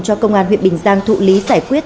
cho công an huyện bình giang thụ lý giải quyết